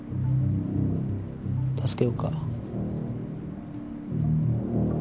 助けようか？